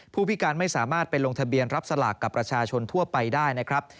ผู้พิการไม่สามารถไปลงทะเบียนรับสลากกับประชาชนทั่วไปได้นะครับ